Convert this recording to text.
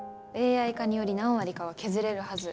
ＡＩ化により何割かは削れるはず。